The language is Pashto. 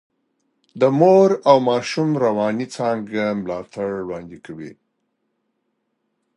د مور او ماشوم رواني څانګه ملاتړ وړاندې کوي.